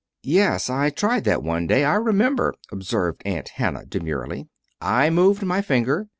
"Yes, I tried that one day, I remember," observed Aunt Hannah demurely. "I moved my finger.